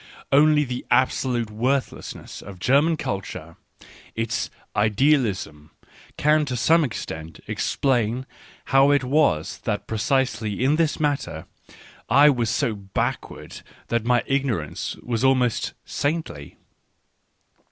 Only the absolute worth 1 lessness of German culture — its " idealism "— can to some extent explain how it was that precisely in this matter I was so backward that my ignorance was almost saintly.